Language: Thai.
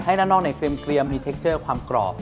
ให้ด้านนอกในครีมเกลี่ยมมีเทคเจอร์ความกรอบ